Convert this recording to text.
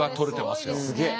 すげえ。